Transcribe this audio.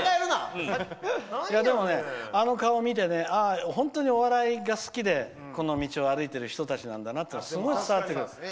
あの顔を見て本当にお笑いが好きでこの道を歩いてる人たちなんだなってすごい伝わってくる。